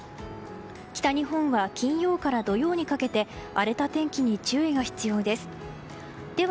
北日本は、金曜から土曜にかけて荒れた天気に注意が必要です。